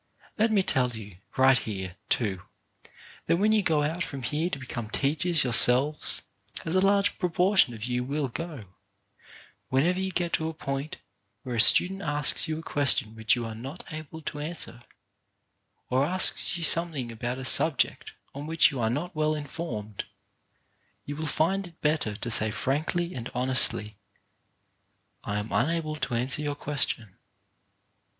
Let me tell you, right here, too, that when you go out from here to become teachers yourselves — as a large proportion of you will go — whenever you get to a point where a student asks you a question which you are not able to answer, or asks you something about a subject on which you are not well informed, you will find it better to say frankly and honestly, "I am unable to answer your question."